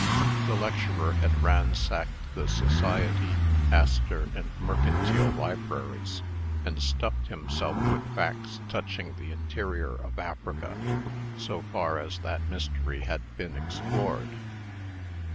The lecturer had ransacked the Society, Astor, and Mercantile libraries, and stuffed himself with facts touching the interior of Africa, so far as that mystery had been explored.